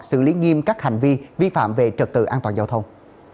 xử lý nghiêm các hành vi vi phạm về trật tự an toàn giao thông